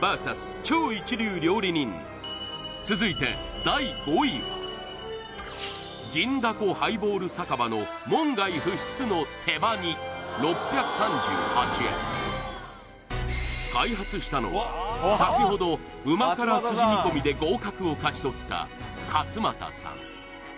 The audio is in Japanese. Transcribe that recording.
超一流料理人続いて第５位は銀だこハイボール酒場の門外不出の手羽煮６３８円開発したのは先ほど旨辛すじ煮込みで合格を勝ち取った勝又さん